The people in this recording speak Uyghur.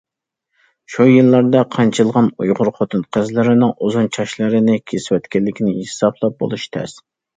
شۇ يىللاردا قانچىلىغان ئۇيغۇر خوتۇن- قىزلىرىنىڭ ئۇزۇن چاچلىرىنى كېسىۋەتكەنلىكىنى ھېسابلاپ بولۇش تەس.